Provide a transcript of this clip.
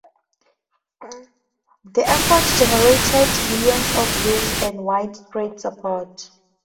The effort generated millions of views and widespread support.